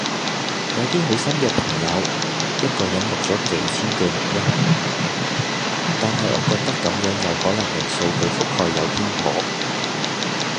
有啲好有心嘅朋友，一個人錄咗幾千句錄音，但係我覺得咁樣有可能令數據覆蓋有偏頗